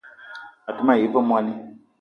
A te ma yi ve mwoani